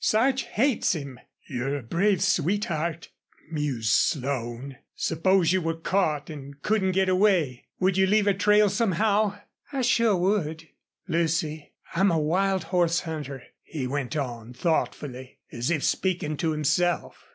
Sarch hates him." "You're a brave sweetheart," mused Slone. "Suppose you were caught an' couldn't get away. Would you leave a trail somehow?" "I sure would." "Lucy, I'm a wild horse hunter," he went on, thoughtfully, as if speaking to himself.